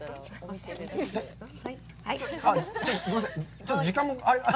ちょっと時間も。